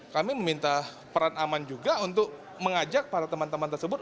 kami meminta peran aman juga untuk mengajak para teman teman tersebut